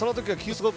すごい。